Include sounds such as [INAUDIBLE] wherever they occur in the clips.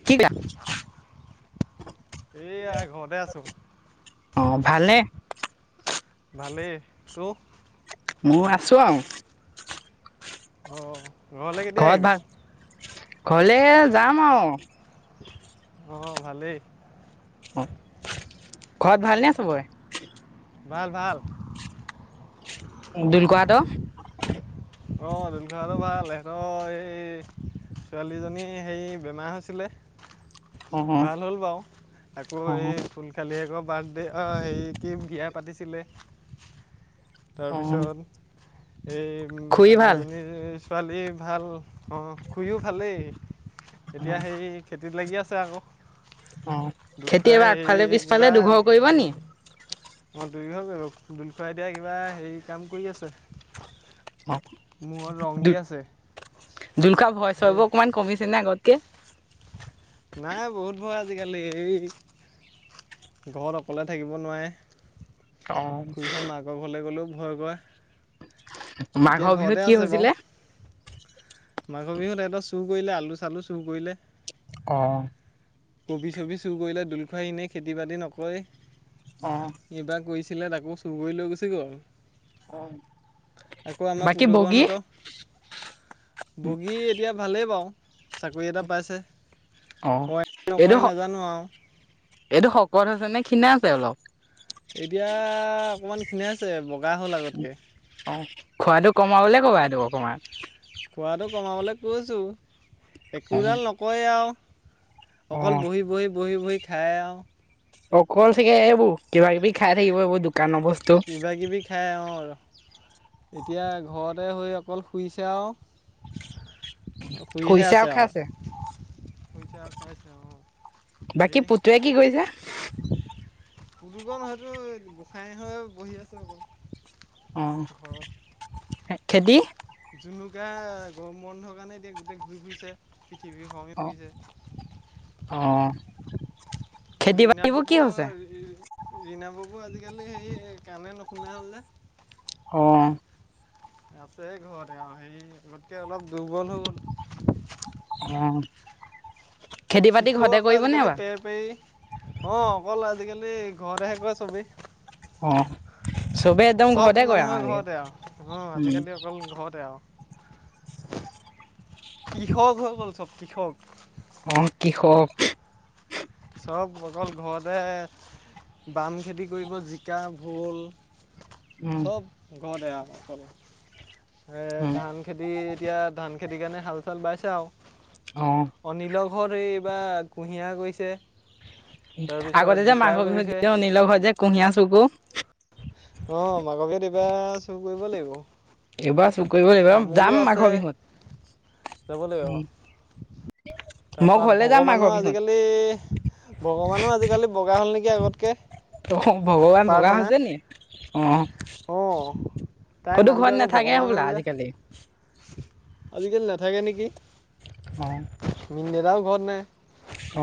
[UNINTELLIGIBLE] এইয়া ঘৰতে আছো। অ ভালে। ভালেই তো মোৰ আছো আও অ ঘৰত ভাল ঘৰলে যাম আৰু। অ ভালেই। অ ঘৰত ভাল নে চবৰে? ভাল ভাল দুল খোৱাহঁত অ দুল খোৰাহঁতও ভাল সিহঁতৰ এই ছোৱালীজনী হেৰি বেমাৰ হৈছিলে। অ ভাল হ'ল বাও আকৌ অ এই খুল খালিয়েক বাৰ্থডে অ হেৰি কি বিয়া পাতিছিলে অ তাৰপিছত এই খুৰী ভাল ডাঙৰজনীৰ এই ছোৱালী ভাল অ খুইও ভালেই এতিয়া সেই খেতিত লাগি আছে আকৌ। অ খেতি দুলখুৱাই এবাৰ আগফালে পিছফালে দুঘও কৰিব নি অই দুই ঘয়ে কৰিব দুল খুৱাই এতিয়া কিবা হেৰি কাম কৰি আছে। অ মূৰত ৰং দু দি আছে দুলকা ভয় সেই চয়বোৰ অকমান কমিছে নে আগতকে? নাই বহুত ভয় আজিকালি এই ঘৰত অকলে থাকিব নোৱাৰে। অ খুৰীখন মাকৰ ঘৰলৈ গ'লেও ভয় কৰে। এতিয়া মাঘৰ ঘৰতে বিহুত কি আছে বাৰু হৈছিলে? মাঘৰ বিহুত সিহঁতৰ চুৰ কৰিলে আলু চালু চুৰ কৰিলে। অ। কবি চবি চুৰ কৰিলে, দোল খুৰাই এনে খেতি বাতি নকৰে। অ। এইবাৰ কৰিছিলে তাকো চুৰ কৰি লৈ গুছি গ'ল। আকৌ আমাৰ বাকী বগী পুদুকৰণহতৰ, বগী - এতিয়া ভালেই পাওঁ চাকৰি এটা পাইছে। অঁ নকয় নাজানো আৰু এইটো শকত হৈছে নে খীণাইছে অলপ? এতিয়া অকণমান খিনাইছে বগা হ'ল আগতকৈ। অ খোৱাটো কমাবলে ক'বা এইটো অকণমান। খোৱাটো কমাবলৈ কৈছোঁ, অ একোডাল নকয়েই আৰু। অ অকল বহি বহি বহি বহি খাইয়াও। অকল চাগে এইবোৰ কিবা কিবি খাই থাকিব এইবোৰ দোকানৰ বস্তু কিবা কিবি খাই আৰু, এতিয়া ঘৰতে হৈ অকল শুইছে আৰু - শুইহে শুইছে আছে খাইছে আৰু। পইচা খাইছে। অ এই বাকী - পুতুৱে কি কৰিছে পুলুকন সেইটো গোঁসাই হৈ বহি আছে হবলা। অ, খেতি জুনুকা গৰম বন্ধৰ কাৰণে এতিয়া গোটেই ঘূৰি ফুৰিছে পৃথিৱী। ভ্ৰমি অ অ ফুৰিছে। খেতি ঘুৰি বাতিবোৰ নাপাব কি হৈছে আৰু - ৰীনা বাবু আজিকালি সে কাণে নুশুনা হ'ল যে, অ। আছে ঘৰতে আৰু সেই গতিকে অলপ দুৰ্বল হৈ গ'ল। অ, খেতি বাতি চিফৌ ঘৰতে আকৌ কৰিব নে আজিকালি ইবাৰ? পেৰ অ অকল আজিকালি ঘৰতে হে কৰে চবি। অ, চবেই একদম চব ঘৰতে কৰে আৰু মানুহৰ আৰু আজিকালি। আজিকালি অকল উম। ঘৰতে অ। কৃষক হৈ গ'ল চব কৃষক। অ কৃষক। চব অকল ঘৰতে বাম খেতি কৰিব জিকা ভোল - উম চব ঘৰতে অ আৰু উম ধান - খেতি, এতিয়া ধান খেতিৰ কাৰণে হাল চাল বাইছে আৰু। অঁ। অনিলৰ ঘৰত এইবাৰ কুঁহিয়াৰ কৰিছে। তাৰপিছত আগতে যে জিকা মাঘৰ বিহুত কৰিছে যে অনিলৰ ঘৰত যায় কুহিয়াৰ চুৰ কৰো। অ, মাঘৰ বিহুৰ এইবাৰ চুৰ কৰিব লাগিব। এইবাৰ চুৰ কৰিব, এইবাৰ তামোলো যাম আছে মাঘৰ বিহুত। মই তাৰপা ঘৰলে যাম ভগৱানো মাঘৰ বিহুত আজিকালি ভগৱানো আজিকালি বগা হ'ল নেকি আগতকে। অহ ভগৱান বগা হৈছে নি অ। অ তাইৰ ক'তো ঘৰত নামটো আকৌ নাথাকে ভগৱান হ'ল যে। [UNINTELLIGIBLE] আজিকালি নাথাকে নেকি। অ মিন্দ দেদাও ঘৰত নাই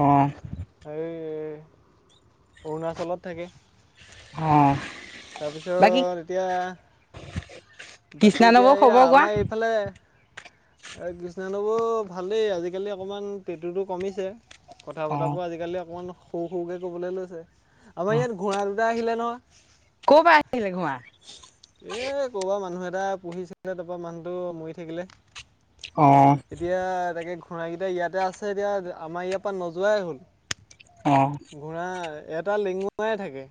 অঁ এই অৰুণাচলত থাকে অঁ তাৰপিছত এতিয়া কৃষ্ণা নৱৰ খবৰ কোৱা ফালে এ কৃষ্ণা নৱ ভালেই আজিকালি অকমান পেটুটো কমিছে কথা অ', বতাবো আজিকালি অকমান সউ সউ কে ক'বলে লৈছে আমাৰ ইয়াত ঘোঁৰা দুটা আহিলে নহয় ক' পা আহিলে ঘোঁৱা এ ক'বা মানুহ এটা পুহিছিলে তাৰপা মানুহটো মৰি থাকিলে। অঁ। এতিয়া তাকে ঘোঁৰা কেইটা ইয়াতে আছে এতিয়া আমাৰ ইয়াৰ পৰা নোযোৱাই হ'ল। অ। ঘোঁৰা এটা লেঙুৱাই থাকে।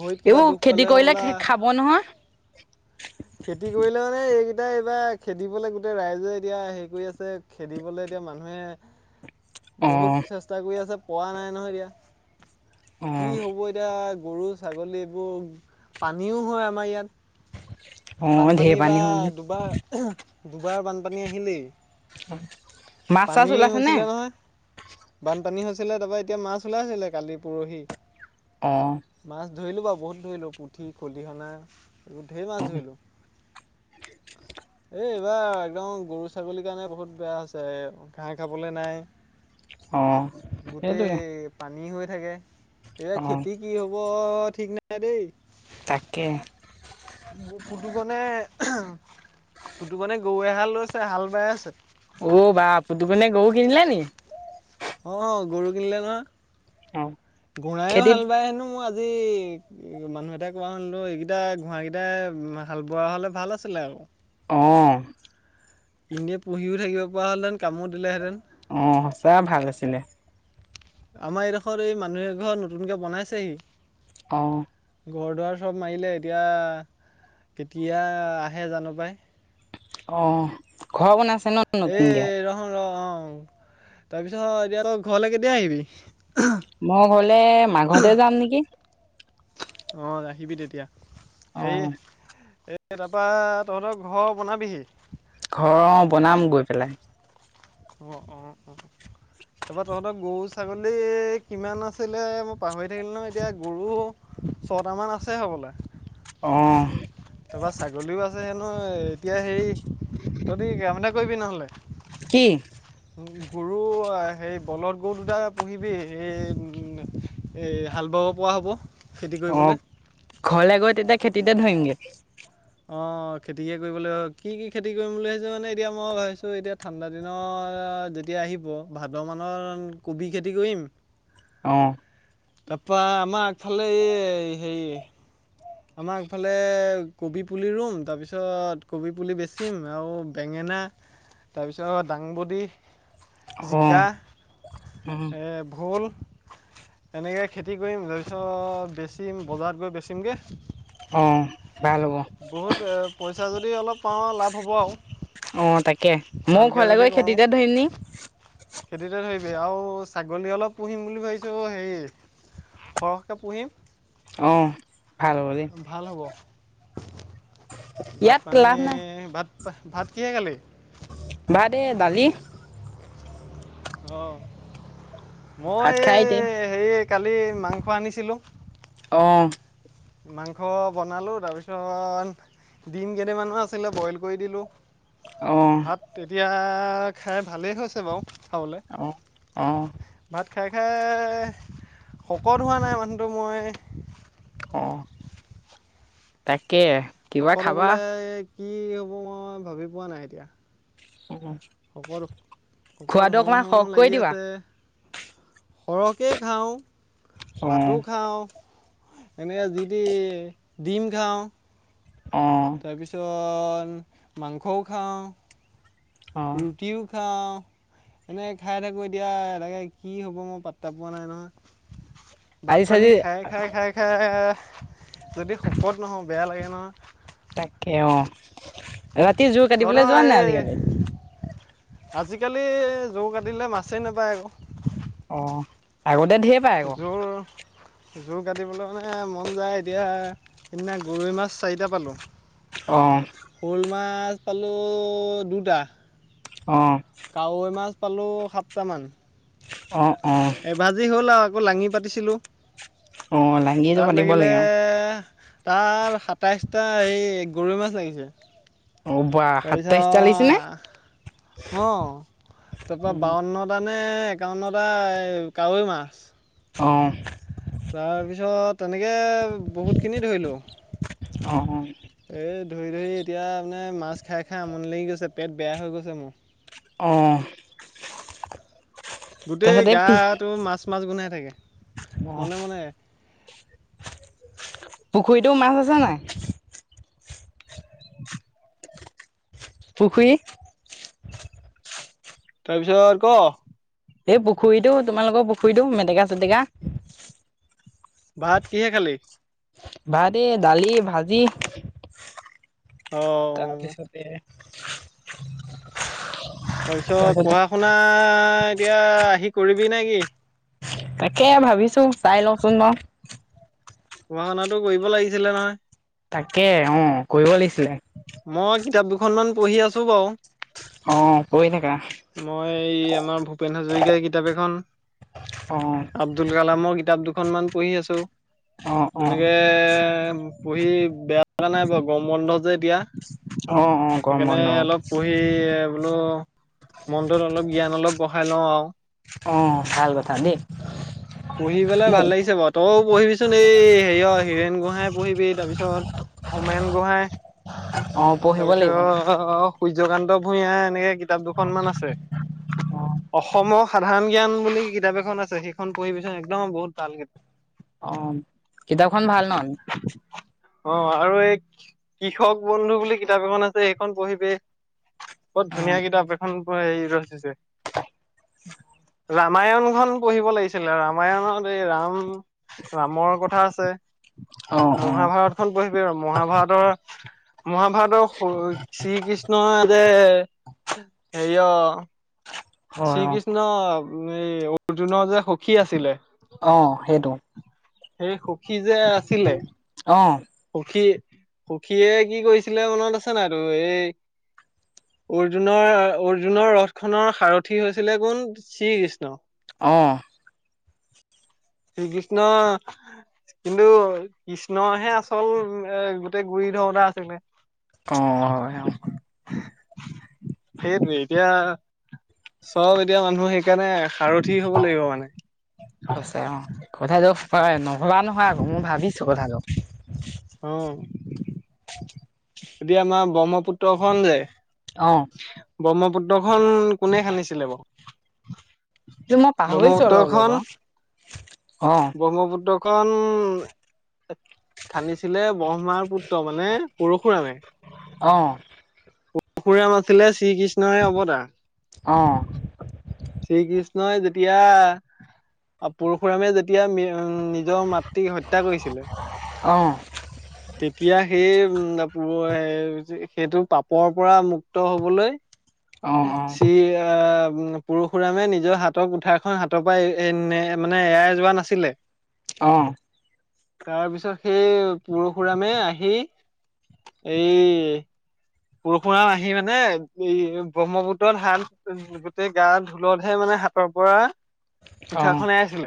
ভৰিত কিবা এইবোৰ দুখ খেতি পালে কইলে হ'বলা খে খাব নহয়। খেতি কৰিলে মানে এইকেইটা এইবা খেদিবলৈ গোটেই ৰাইজে এতিয়া হেৰি কৰি আছে খেদিবলৈ এতিয়া মানুহে অ', বহুত চেষ্টা কৰি আছে পৱা নাই নহয় এতিয়া কি অ', হ'ব এতিয়া গৰু ছাগলী এইবোৰ পানীও হয় আমাৰ ইয়াত [INAUDIBLE] ঢেৰ বানপানী বা পানী হ'ল নহয়। দুবাৰ দুবাৰ বানপানী আহিলেই মাছ চাছ পানী ওলাইছে নে? হৈছিলে নহয় বানপানী হৈছিলে তাৰপা এতিয়া মাছ ওলাইছিলে কালি পৰহি অঁ মাছ ধৰিলো বাও বহুত ধৰিলো পুঠি খলিহনা এইবোৰ ধে মাছ ধৰিলো এই এইবাৰ একদম গৰু ছাগলীৰ কাৰণে বহুত বেয়া হছে ঘাঁহ খাবলে নাই অ', গোটেই সেইটোৱে পানী হৈ থাকে এইয়া অ', খেতি কি হ'ব ঠিক নাই দেই তাকে পুতুকনে পুতুকনে গউ এহাল লৈছে হাল বাই আছে ঔ বা পদুকনে গউ কিনিলে নি অ গৰু কিনিলে অ', নহয় ঘোৰাইয়ো খেতিত হাল বায় হেনো মই [UNINTELLIGIBLE] মানুহ এটায়ে কোৱা শুনিলো এইকেইটা ঘোঁৱাকেইটাই হাল বোৱা হ'লে ভাল আছিলে আৰু অ এনে পুহিও থাকিব পৰা হ'লহঁতেন কামো দিলেঁহেতেন অ সঁচা ভাল আছিলে আমাৰ এইডখত এই মানুহ এঘৰ নতুনকে বনাইছেহি অঁ। ঘৰ দুৱাৰ চব মাৰিলে এতিয়া কেতিয়া আহে জানো পাই। অ ঘৰ বনাইছে ন? এ নতুনকে? ৰহ হোন ৰ অ তাৰপিছত এতিয়া তই ঘৰলৈ কেতিয়া আহিবি? মই ঘৰলে মাঘতে যাম নেকি। অ আহিবি তেতিয়া হেৰি অ', এ তাপা তহঁতৰ ঘৰ বনাবিহি। ঘৰ অহ বনাম গৈ পেলাই। অঁ অঁ অঁ। তাপা তহঁতৰ গৰু ছাগলী কিমান আছিলে মই পাহৰি থাকিলো নহয় এতিয়া গৰু ছটামান আছে হ'বলা। অ'। তাপা ছাগলীও আছে হেনো এতিয়া হেৰি তহঁতি কাম এটা কৰিবি নহ'লে কি? গৰু সেই বলদ গৰু দুটা পু়হিবি হেয় হাল বাব পৰা হ'ব। খেতি অ' কৰিবলৈ ঘৰলে গৈ তেতিয়া খেতিতে ধৰিমগে। অ' খেতিকে কৰিবলৈ কি কি খেতি কৰিম বুলি ভাবিছ মানে এতিয়া মই ভাবিছো এতিয়া ঠাণ্ডাদিন যেতিয়া আহিব ভাদ মানত কবি খেতি কৰিম অ'। তাপা আমাৰ আগফালে এ হেৰি আমাৰ আগফালে কবি পুলি ৰুম তাৰপিছত কবি পুলি বেচিম আৰু বেঙেনা তাৰপিছত দাংবডী, অ জিকা, উম ভোল এনেকৈ খেতি কৰিম তাৰপিছত বেচিম বজাৰত গৈ বেচিমগে। অ ভাল হ'ব। বহুত পইছা যদি অলপ পাওঁ লাভ হ'ব আৰু। অ তাকে মৌ ভালকৈ ঘৰলে যদি গৈ কৰোঁ খেতিতে ধৰিম নি। খেতিতে ধৰিবি আৰু ছাগলী অলপ পুহিম বুলি ভাবিছোঁ হেৰি সৰহকৈ পুহিম। অ' ভাল হব দেই। ভাল হ'ব ভাত ইয়াত পানী লাভ নাই ভাত ভাত কিহে খালি? ভাত এ দালি। অ' মই ভাত খাই এতিয়া এই হে কালি মাংস আনিছিলো। অ'। মাংস বনালোঁ তাৰপিছত দিম কেইটামানো আছিলে বইল কৰি দিলোঁ। অ ভাত এতিয়া খাই ভালেই হৈছে বাৰু খাবলে। অ অহ। ভাত খাই খাই শকত হোৱা নাই মানুহটো মই। অহ। তাকে কিবা শকত খাবা হ'বলৈ কি হ'ব মই ভাবি পোৱা নাই এতিয়া। অহ। শকত শকত হওঁ হওঁ কৰি লাগি দিবা আছে। শৰকে খাওঁ অ ভাতো খাওঁ। এনে যি টি ডিম খাওঁ। অ তাৰপিছত মাংসও খাওঁ অ ৰুটিও খাওঁ। এনেই খাই থাকোঁ এতিয়া এনেকে কি হ'ব মই পাত্তা পোৱা নাই নহয়। ভাত আজি পানী চাজি খাই খাই খাই খাই যদি শকত নহওঁ বেয়া লাগে নহয়। তাকে অ' ৰাতি জোৰ তহঁতৰ কাটিবলৈ যোৱা নাই এই আজিকালি। আজিকালি যোৰ কাটিলে মাছেই নাপায় আকৌ অ' আগতে ধেৰ জোৰ জোৰ কাটিবলৈ মানে মন যায় এতিয়া সেইদিনা গৰৈ মাছ চাৰিটা পালোঁ। অ' শ'ল মাছ পালোঁ দুটা অ' কাৱৈ মাছ পালোঁ সাতটামান অ' অ' এভাজি হ'ল আৰু আকৌ লাঙি পাতিছিলোঁ। অ' লাঙিটো তাত পাতিব লাগিলে লাগে আৰু। তাত সাতাইছটা হে গৰৈ মাছ লাগিছে। অ' বা সাতাইশটা লাগিছেনে? [UNINTELLIGIBLE] অঁ তাৰপৰা বাৱন্নটা নে এক কাৰণত এটা এই কাৱৈ মাছ। অঁ। তাৰপিছত এনেকে বহুত খিনি ধৰিলো। অ অ। এই ধৰি ধৰি এতিয়া মানে মাছ খাই খাই আমনি লাগি গৈছে পেট বেয়া হৈ গৈছে মোৰ। অঁ। গোটেই গাটো মাছ মাছ গোন্ধাই থাকে অ' মনে মনে। পুখুৰীতো মাছ আছে নাই? পুখুৰী তাৰপিছত ক' এই পুখুৰীটো তোমালোকৰ পুখুৰীতটো মেটেকা চেটেকা ভাত কিহে খালি? ভাত এ দালি, ভাজি। অ তাৰপিছতে তাৰপিছত পঢ়া শুনা এতিয়া আহি কৰিবি নে কি? তাকে ভাবিছো চাই লওঁচোন ব পঢ়া শুনাটো কৰিব লাগিছিলে নহয়। তাকে অ কৰিব লাগিছিলে? মই কিতাপ দুখনমান পঢ়ি আছো বাৰু। অ কৈ [UNINTELLIGIBLE] মই এই আমাৰ ভূপেন হাজৰিকাৰ কিতাপ এখন অ' আব্দুল কালামৰ কিতাপ দুখনমান পঢ়ি আছো অ' অ' তেনেকে পঢ়ি বেয়া লগা নাই বাৰু গম বন্ধ যে দিয়া। [INAUDIBLE] অ' গৰম সেইকাৰণে বন্ধ অলপ পঢ়ি বোলো মনটোত অলপ জ্ঞান অলপ বঢ়াই লওঁ আৰু অ ভাল কথা দেই পঢ়ি পেলাই মোক ভাল লাগিছে বাৰু তই পঢ়িবিচোন এই হেৰিয় হীৰেণ গোহাঁই পঢ়িবি তাৰপিছত হোমেন গোহাঁই অ পঢ়িব তাৰপিছ লাগিব অ অ সূৰ্যকান্ত ভূঞা এনেকে কিতাপ দুখনমান আছে অসম সাধাৰণ জ্ঞান বুলি কিতাপ এখন আছে সেইখন পঢ়িবি চোন একদম বহুত ভাল কে অ কিতাপখন ভাল ন? অ আৰু এই কৃষক বন্ধু বুলি কিতাপ এখন আছে সেইখন পঢ়িবি বত ধুনীয়া কিতাপ সেখন পোৰা হেৰি ৰচিছে [INAUDIBLE] ৰামায়নখন পঢ়িব লাগিছিলে ৰামায়ণত এই ৰাম ৰামৰ কথা আছে। অ অ অ মহাভাৰতখন পঢ়িবি আৰু মহাভাৰতৰ মহাভাৰতৰ স শ্ৰীকৃষ্ণই যে হেৰিয় [INAUDIBLE] শ্ৰীকৃষ্ণ এই অৰ্জুনৰ যে সখী আছিলে অ সেইটো সেই সুখী যে আছিলে অ সুখী সুখীয়ে কি কৰিছিলে মনত আছে নাইতো এই অৰ্জুনৰ অৰ্জুনৰ ৰথ খনৰ সাৰথী হৈছিলে কোন শ্ৰীকৃষ্ণ অ শ্ৰীকৃষ্ণ কিন্তু কৃষ্ণহে আছ হল এ গোটেই গুৰি ধৰোটা আছিলে অ হয় অ সেইটোৱে এতিয়া চব এতিয়া মানুহ সেইকাৰণে সাৰথি হব লাগিব মানে হছে অ কথাটো নভবা নহয় আকৌ মই ভাবিছো কথাটো অ [UNINTELLIGIBLE] এতিয়া আমা ব্ৰহ্মপুত্ৰ খন যে অঁ ব্ৰহ্মপুত্ৰখন কোনে খানিছিলে বাঅ কি মই পাহৰিছো অলপ অলপ অ অ ব্ৰহ্মপুত্ৰখন খানিছিলে ব্ৰহ্মাৰ পুত্ৰ মানে পৰশুৰামে অ পৰশুৰাম আছিলে শ্ৰীকৃষ্ণই অৱতা অ শ্ৰী কৃষ্ণই যেতিয়া পৰশুৰামে যেতিয়া মি উম নিজৰ মাতৃক হত্যা কৰিছিলে অ অ তেতিয়া সেই উ ম সেইটো পাপৰ পৰা মুক্ত হবলৈ শ্ৰী আ উম পৰশুৰামে নিজৰ হাতৰ কোঠাৰখন হাতৰ পৰা এ মানে এৰাই যোৱা নাছিলে অ তাৰ পিছত সেই পৰশুৰামে আহি এই পৰশুৰাম আহি মানে এই ব্ৰহ্মপুত্ৰত হাল গোটেই গা ঢোলতহে মানে হাতৰ পৰা অ পুঠা খনে আছিলে।